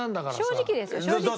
正直ですよ正直。